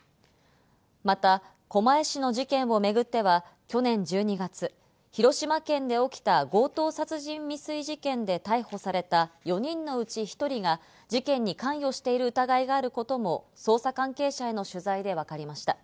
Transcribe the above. また狛江市の事件をめぐっては、去年１２月、広島県で起きた強盗殺人未遂事件で逮捕された４人のうち１人が事件に関与している疑いがあることも捜査関係者への取材でわかりました。